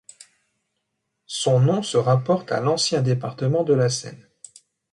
Son nom se rapporte à l'ancien département de la Seine.